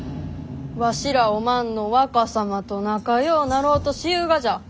わしらおまんの若様と仲ようなろうとしゆうがじゃ。